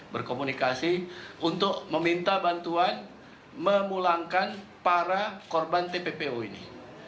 berkomunikasi untuk meminta bantuan memulangkan para korban tppo ini